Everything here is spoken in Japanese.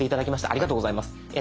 ありがとうございます。